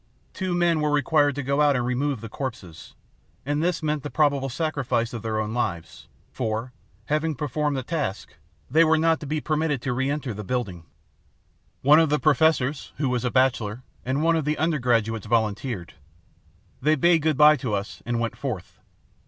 Two men were required to go out and remove the corpses, and this meant the probable sacrifice of their own lives, for, having performed the task, they were not to be permitted to reenter the building. One of the professors, who was a bachelor, and one of the undergraduates volunteered. They bade good bye to us and went forth.